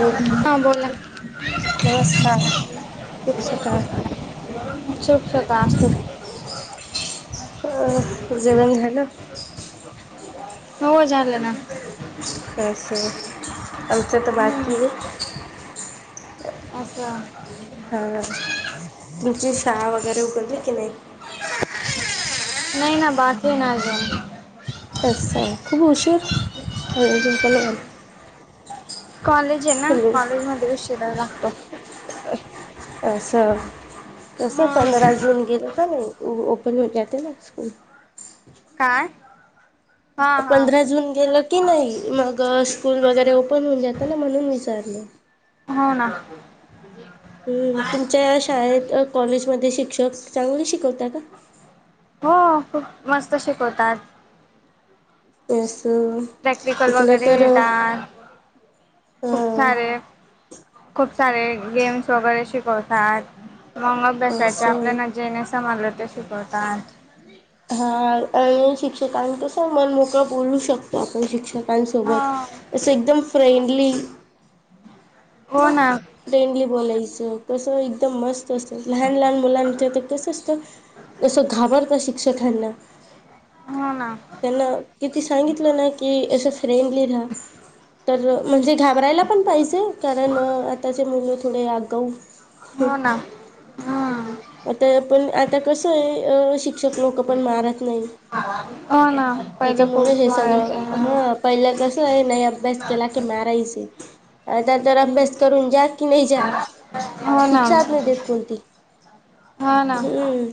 हो हा बोला. [unintelligible] शोभत का? जेवन झालं? हो झालं ना. असस त्यालच तर बाकी आहे. अच्छा हा तुमची शाळा वगैरे उघडली की नाही? नाही ना बाातही ना घ असं खूप उशीर दर [unintelligible] कॉलेज आहे ना कॉलेज मध्ये वि शिरायला लागतो. असं कस पंधरा जून गेलं का नाही. ओपन हो जात ना स्कूल, काय? हा हा पंधरा जून गेलं की नाही, मग स्कूल वगैरे ओपन होऊन जात ना म्हणून विचारलं! [unintelligible] हो ना हम् तुमच्या शाळेत कॉलेजमध्ये शिक्षक चांगले शिकव, हो खूप मस्त शिकवतात. येस प्रॅक्टिकल वगैरे घेतात अ खूप सारे खूप सारे गेम्स वगैरे शिकवतात. मंग अभ्यासाचे असं आपल्यालाजे नाही समज ते शिकवतात. हा आणि शिक्षकां कस मनमोकळा बोलू शकतो. आपण शिक्षक, सोबत अस एकदम फ्रेंडली, ना फ्रेंडली बोलायचं कस एकदम मस्त लहान लहान मुलांच तर तसंच असं घाबरत शिक्षकांना, हो ना त्यांना किती सांगितलं, ना कि असं फ्रेंडली राहा तर म्हणजे घाबरायला पण पाहिजे, कारण आताचे मुलं थोडे आगाऊ. हो ना हम्म आता पण आता कसं आहे अ शिक्षक लोक पण मारत नाही. [unintelligible] त्याच्या पहिले मुळ खूप हे मारायचे सगळं हा, पहिल्या क नाही अभ्यास केला की माराच आता, तर अभ्यास करून जात. की नाही जा हो ना शिक्षाच नाही देत कोणती. हो ना हम्म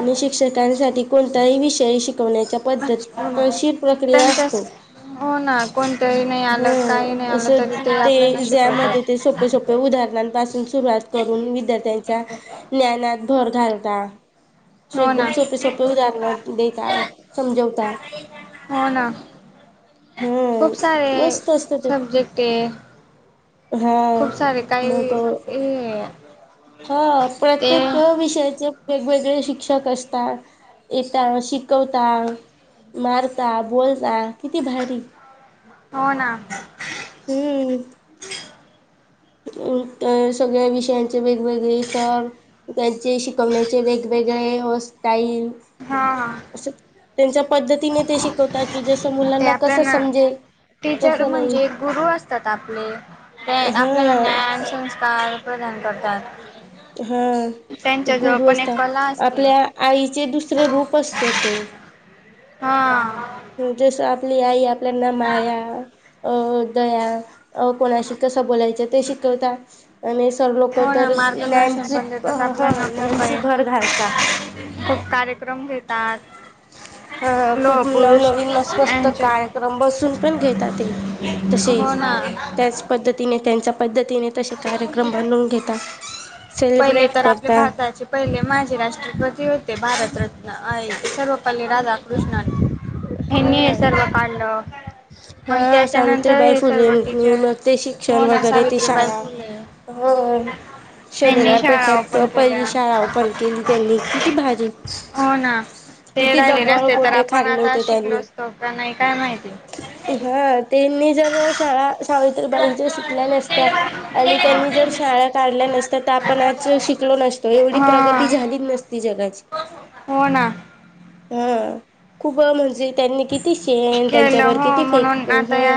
आणि शिक्षकांसाठी कोणताही विषय शिकवण्याच्या पद्धती, तशीर प्रक्रिया असतो. त्यांच्याच हो ना कोणतरी नाही हा आलं काही नाही अस आलं तरी ते आपल्याना ज्या मध्ये ते शिकवतात सोपे सोपे उदाहरण! सुरुवात करून विद्यार्थ्यांच्या ज्ञनात भर घालता. हो ना एकदम सोपे सोपे उदाहरण देता समजवता, हो ना खूप सारे हम्म मस्त असतं ते सबजेक्ट आहे. हा खूप सारे काही मग हे, हा ते प्रत्येक विषया वेगवेगळे शिक्षक असतात, येेत शिकवता मारता बोलता, किती बाहेरी. हो ना हम्म अ सगळ्या विषयांचे वेगवेगळे सर त्यांचे शिकवण्याचे वेगवेग, व स्टाईल हा अस त्यां, पद्धतीने ते शिकवता की जस हा ते मुलांना कसं आपल्याना समजेल. टीचर कसं नाही म्हणजे गुरु असतात आपले ते, आपल्या हा ज्ञान संस्कार प्रदान करतात. हा त्यांच्याजवळ गुरु पण असत एक कला असते आपल्या आईचे दुसर रूप असते ते, [unintelligible] हा. जसं आपली आई आपल्याना माया अ दया अ कोणाशी कसं बोलायचं ते शिकवता आणि सर लोक हो ना तर मार्गदर्शन ज्ञानची पण देतात हा आपल्याना खूप ज्ञान ची काही भर घालतात. उपक्रम घेतात. हा लोह खूप पुरुष नवनवीन मस मस्त यांचे कार्यक्रम बसून पण घेतातेय तसे हो ना त्याच पद्धतीने त्यांच्या पद्धतीने तसे कार्यक्रम बनवून घेता पहिले सेलिब्रेट तर आपले करता भारताचे पहिले माझे राष्ट्रपती होते भारतरत्न अय सर्व पल्ली राधा कृष्णन हेनी सर्व काढलं मग हा त्याच्यानंतर सावित्रीबाई हे सर्व फुलेंनी टीचर मग ते शिक्षण हो ना वगैरे ती सावित्रीबाई शाळा फुले होय. यांनी शनिवार शाळा पेठत ओपन पहिली केल्या शाळा ओपन केली त्यांनी किती भारी. हो ना ते किती राहिले दगड नसते तर गोटे आपण खाल्ले आता होते शिकलो त्यांनी असतो का नाही काय माहिती. हा त्यांनी जर शाळा सावित्रीबाई जर शिकल्या नसत्या आणि त्यांनी जर शाळा काढल्या नसत्या तर आपण आज शिकलो नसतो एवढी हा प्रगती झालीचं नसती जगाची. हो ना. हा खूप म्हणजे त्यांनी किती शेण केलं त्यांच्यावर हो किती म्हणून फेकतो आता ह. या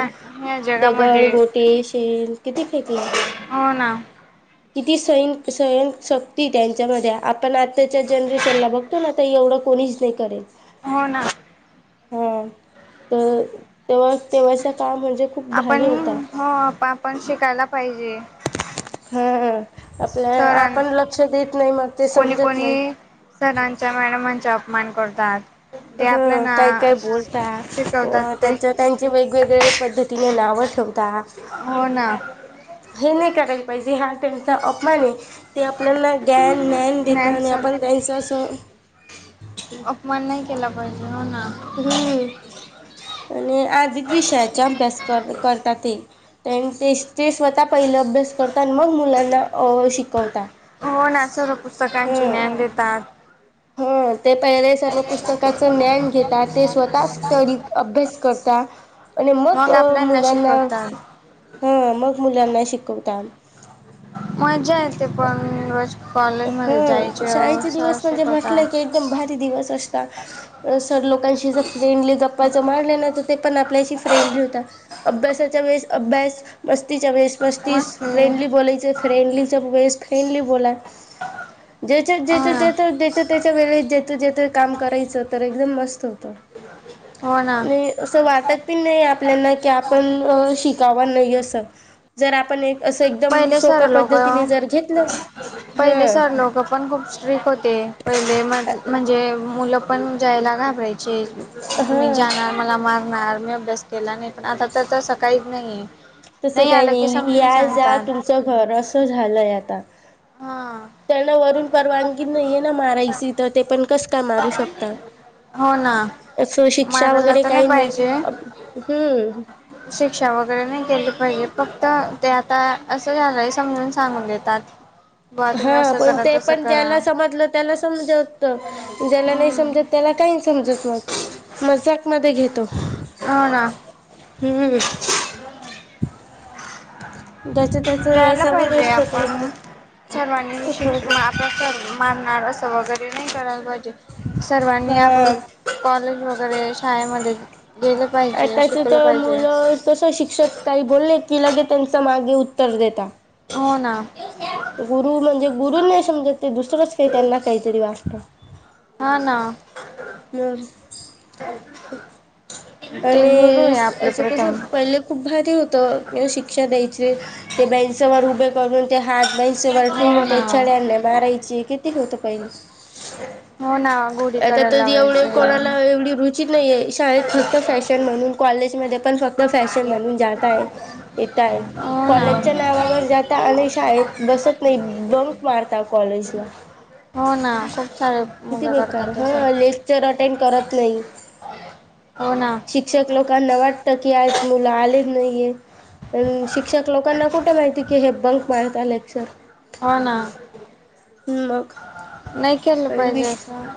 या जगामध्ये दगड गोटे शेण किती फेकलं? हो ना. किती सइन सयन शक्ती त्यांच्यामध्ये आपण आत्ताच्या जनरेशनला बघतो ना आता एवढं कोणी नाई करेल. हो ना. हा तर तेव्हा तेव्हाचा काळ म्हणजे खूप आपण भारी होता. हो आपण शिकायला पाहिजे हा. आपल्या सरां आपण लक्ष देत नाही मग ते कोणी समजत नाही. मान करतात. ते ह आपल्याना काय काय बोलता शिकवतात अ ते त्यांच्या त्यांचे वेगवेगळ पद्धती त्यांना नाव ठेवता. हो ना. हे नाही करायला पाहिजे हा त्यां अपमान ये ते आपल्याला ज्ञान ज्ञान देत नाही आणि सर आपण त्यांच असं अपमान नाही केला पाहिजे. हो ना हम्म आणि आधिक विषयाचा अभ्यास कर करतातेय त्यां ते ते स्वतः पहिला अभ्यास करता आणि मग मुलांना अ शिकवता. हो ना सर्व पुस्तकांचे ज्ञान देतात. हा. ते पहिले सर्व पुस्तकाचं ज्ञान घेतात ते स्वतः स्टडी अभ्यास करता आणि मग अ आपल्याना मुलांना शिकवतात हा मग मुलांना शिकवता. मजा येते पण रज हा शाळेचे दिवस म्हणजे म्हटलंय की शिकवतात एकदम भारी दिवस अस सर लोकांशी जर फ्रेंडली गप्पा ज मारलं ना तर ते पण आपल्याशी फ्रेंडली होता. अभ्यासाच्या वेळेस अभ्यास मस्ती ज्यावेळेस मस्तीस मस्त फ्रेंडली हो बोलायच फ्रेंडली ज वेस फ्रेंडली बोला. ज्याच्यात जेथ ना जेथ जच्या त्याच्या वेळेत जेथ जेथ काम करायचं तर एकदम मस्त होतं. हो ना. नाही असं वाटत पण नाही आपल्याना की आपण शिकावा नाही असं जर आपण एक असं एकदम पहिले सर सोप्या लोक पद्धतीने जर घेतलं पहिले हां सर लोक पण खूप स्ट्रिक होते पहिले म म्हणजे मुलं पण जायला घाबरायची मी हां जाणार मला मारणार. मी अभ्यास केला नाही पण आता तर तसं काहिच नाहीेये. तसं काही नाही या जा तुमचं घर असं झालंय आता. हा त्यांना वरून परवानगी नाहीये ना मारायची तर ते पण कस काय मारू शकता. हो ना असं शिक्षा मारायला वगैरे तर काही नाही पाहिजे अप हूं. केलं पाहिजे फक्त ते आता असं झालंय समजून सांगून देतात. बुवा तुम्ही हा असं पण करा ते तसं पण करा ज्याला समजलं त्याला समजवत ज्याला नाही हम्म. समजत त्याला काही समजत मग मजाकमध्ये घेतो. हो ना हूं हूं! ज्याच त्याच जायला याच्यावर पाहिजे असत ते आपण. सर्वांनी शिक्ष आपल सर्व मानणार असं वगैरे नाही करायला पाहिजे. सर्वांनी आपण हा. कॉलेज वगैरे शाळेमध्ये गेलं पाहिजे असे. आता मुलं तसं शिक्षक काही बोलले की, लगे त्यांचं मागे उत्तर देता. हो ना गुरु म्हणजे गुरु नाही समजत ते दुसरंच काही त्यांना काहीतरी वाटत. हा ना. मग [unintelligible] ते गुरु आणि आहे आपले असं कस प्रथम पहिले खूप भारी होत किवा शिक्षा द्याय ते बेंच व उभे करून ते हात बेंच वर हो ठेवून ना त्या छड्यांनी मारायची की किती होत पाहिल. हो ना गोडी आता करायला तरी एवढ्या लावायचे कोणाला, एवढी रुची नाहीये शाळेत. फक्त फॅशन म्हणून कॉलेज म पण फक्त फॅशन म्हणून जाताय येताय हो ना कॉलेजच्या नावावर जात आणि शा ब त नाही बंक मारता कॉलेजला. हो ना खूप सार किती बेकार ह लेक्चर, अटेंड करत नाही. हो ना शिक्षक लोकां ना वाटतं की आज मुलं आले नाहीये. पण शिक्षक लोकांना कुठे माहिती की हे बंक मारत आले सर हो ना. मग. नाही केलं पाहिजे असं.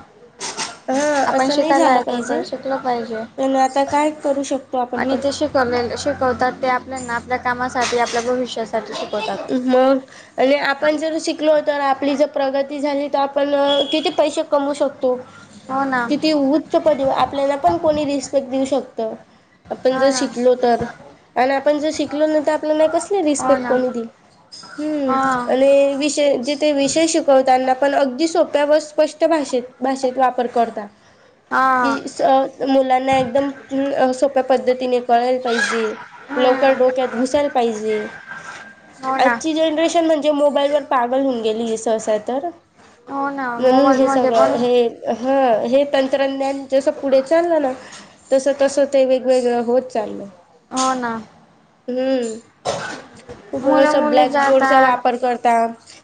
ह! आपण शिकायला येतो, तर शिकल पाहिजे पण आता काय करू शकतो आपण आणि पण ते शिकवलेल शी तात ते आपल्याना, आपल्या कामासाठी, आपल्या भविष्यासाठी. शिकवतात मग आणि आपण जर शिकलो तर आपली जर प्रगती झाली, तर आपण किती पैसे कमू शकतो. हो ना किती उच्च पदी, आपल्याला पण कोणी रिस्पेक्ट देऊ शकत. आपण जर हा ना शिकलो तर, आण आपण जर शिकलो नई तर आपल्याना कसली हो रिस्पेक्ट ना कोणी दिईल. हा हूं आणि विशे जे ते विषय शिकवताना पण अगदी सोप्या व स्पष्ट भाषेत, भाषेत वापर करता. की हा स मुला एकदम सोप्या पद्धतीने कळायला पाहिजे. लवकर हम्म डोक्यात घुसायला पाहिजे. हो ना आजची जनरेशन म्हणजे मोबाईल वर पागल होऊन गेली सहसा तर. हो ना. म्हणून हे मोबाईलमध्ये पण सगळं हे ह हे तंत्रज्ञान जस पुढे चाललं ना. तस, तसं ते वेगवेगळं होत चालल हूं. हो ना खूप मुलं अस मुली ब्लॅकबोर्ड चा जातात वापर करता,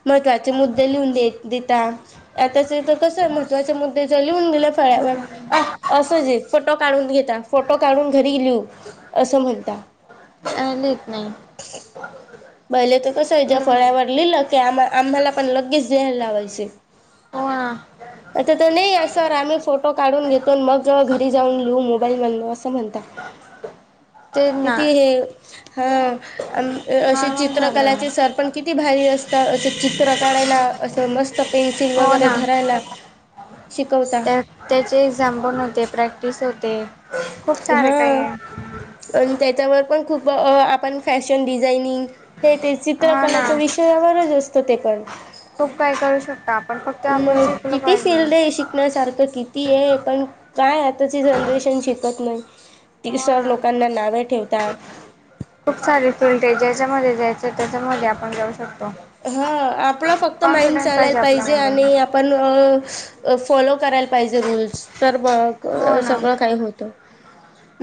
महत्त्वाचे मुद्दे लिहून देत देता, आताच तर कस महत्वाचे मुद्दे जर लिहून दिेले फळ्यावर हम्म आ असंच ये फोटो काढून घेता, फोटो काढून घरी लिहू, असं म्हणता. अ लिहीत नाही. पहिले तर कसं आहे, ज्या लिह- फळ्यावर लिहिलं की आम्हा आम्हाला पण लगेच लिहायला लावायचे. हा! आता त नही अ सर आम्ही फोटो काढून घेतो, मग घरी जाऊन लिहू मोबाईल मधन असं म्हणता. [unintelligible] तेच किती ना हे हा अस नॉर्मल झालं चित्रकलाचे सर पण कि, किती भारी असतात, असं चित्र काढायला असं मस्त पेन्सिल हो वगैरे ना धरायला, शिकवता त्या त्याचे एक्झाम पण होते प्रॅक्टिस होते. खूप सारे हा काही आहे आणि त्याच्यावर पण खूप आपण फॅशन डिझाइनिंग, हे ते हा ना चित्रकलाच्या विषयावरच असतं ते पण. खूप काही करू शकतो आपण फक्त आपण मग शिकलो किती पाहिजे फिल्ड आहे. शिकण्यासारखं किती, ती आहे पण काय आताची जनरेशन शिक, नाही हो तिसर ना लोकांना नावे ठेवत. खूप सारी फिल्ड आहे. ज्याच्यामध्ये जायचें त्याच्यामध्ये आपण जाऊ शकतो. हा आपला फक्त माइंड कॉन्फिडन्स चालायला पाहिजे. आपल्यामध्ये आणि आपण, फॉलो करायला पाहिजे, रूल्स तर मग हो ना सगळं काही होतं.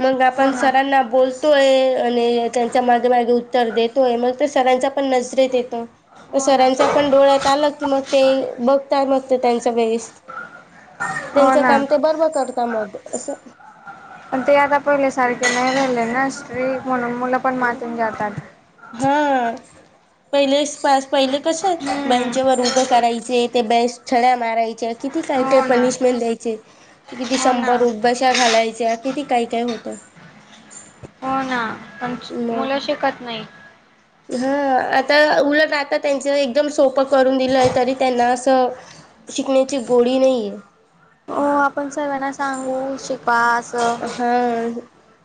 मग हो आपण ना सरांना बोलतोय, आणि त्यांच्या मागे मागे उत्तर देतोय मग ते सगळ्यांचा पण नजरेत येतो. हो ना सरांच्या पण डोळ्यात आलं की मग ते बघतात मग ते त्यांचा परीस, हो त्यांचं ना काम ते बर्बर करत मग असं. पण ते आता पहिले सारखे नाही राेले ना्री म्हणून मुलं पण मातून जातात. हा पहिले पहिले कस आहे हम्म बँचेवर, करायचे ते बेस छड्या मारायचे किती काही हो ना पनिशमेंट द्यायचे. किती हो शंभर ना उठबशा घालायच्या किती काय काय होतं. मग मुला शिकत नाही. हा आता उलट राहता त्यांच एकदम सोप, करून दिलं तरी त्यांना अस शिकण्याची गोडी नाही. हो आपण सर्वना सांगू शिकवा असं, हा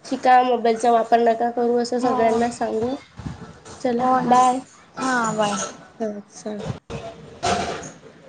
शिका मोबाईलचा वापर नका करू असं हो सगळ्यांना सांगू, चला हो ना. बाय हां बाय. ह चला [unintelligible]